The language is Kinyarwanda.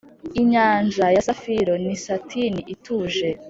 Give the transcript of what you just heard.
inyanja ya safiro ni satin ituje,